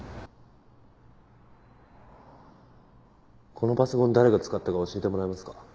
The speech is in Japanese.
このパソコン誰が使ったか教えてもらえますか？